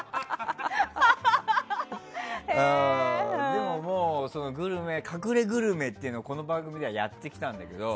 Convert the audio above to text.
でも、隠れグルメっていうのをこの番組ではやってきたんだけど。